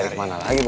cari kemana lagi bu